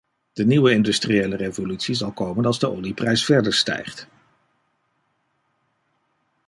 De nieuwe industriële revolutie zal komen als de olieprijs verder stijgt.